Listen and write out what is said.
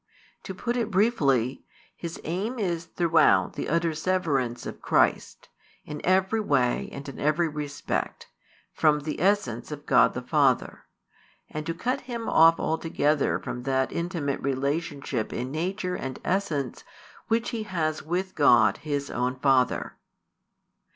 To put it briefly, his aim is throughout the utter severance of Christ, in every way and in every respect, from the essence of God the Father; and to cut Him off altogether from that intimate relationship in nature and essence which He has with God His own Father.